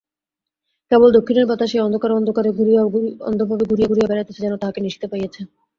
কেবল দক্ষিণের বাতাস এই অন্ধকারে অন্ধভাবে ঘুরিয়া ঘুরিয়া বেড়াইতেছে, যেন তাহাকে নিশিতে পাইয়াছে।